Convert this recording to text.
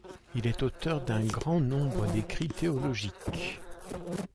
Il est auteur d’un grand nombre d’écrits théologiques.